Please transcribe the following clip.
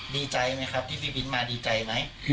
ดีใจไหมครับที่พี่บินมาดีใจไหม